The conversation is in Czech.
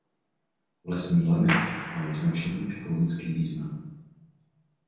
Lesní lemy mají značný ekologický význam.